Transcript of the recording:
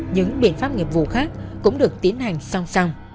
những biện pháp nghiệp vụ khác cũng được tiến hành song song